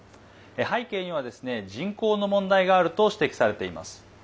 背景には人口の問題があると指摘されています。